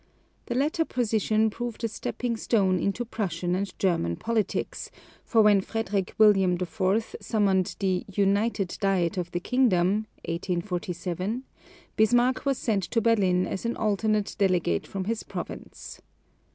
The latter position proved a stepping stone into Prussian and German politics; for when Frederick William IV. summoned the "United Diet" of the kingdom (1847), Bismarck was sent to Berlin as an alternate delegate from his province.